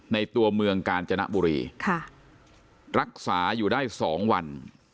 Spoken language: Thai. ตัวเมืองกาญจนบุรีรักษาอยู่ได้๒วัน